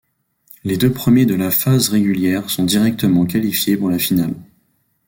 Les deux premiers de la phase régulière sont directement qualifiés pour la finale.